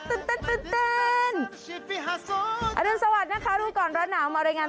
ตื่นตื่นตื่นตื่นอันดันสวัสดีนะคะดูก่อนร้อนหนาวมารายงาน